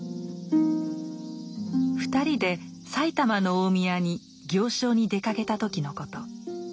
２人で埼玉の大宮に行商に出かけた時のこと。